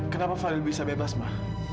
kenapa fadil bisa bebas ma